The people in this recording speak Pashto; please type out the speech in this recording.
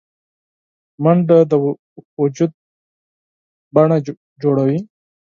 منډه د وجود د بڼه جوړوي